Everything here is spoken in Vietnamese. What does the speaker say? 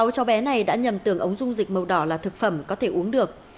sáu cháu bé này đã nhầm tưởng ống dung dịch màu đỏ là thực phẩm có thể uống được